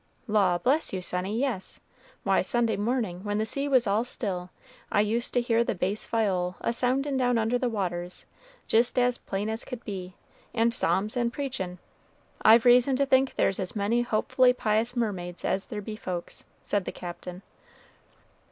"Law, bless you sonny, yes. Why, Sunday morning, when the sea was all still, I used to hear the bass viol a soundin' down under the waters, jist as plain as could be, and psalms and preachin'. I've reason to think there's as many hopefully pious mermaids as there be folks," said the Captain.